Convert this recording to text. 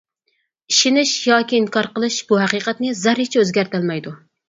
ئىشىنىش ياكى ئىنكار قىلىش بۇ ھەقىقەتنى زەررىچە ئۆزگەرتەلمەيدۇ.